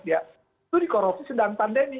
itu dikorupsi sedang pandemi